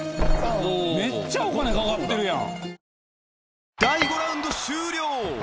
めっちゃお金かかってるやん。